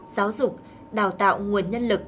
giáo dục đào tạo nguồn nhân lực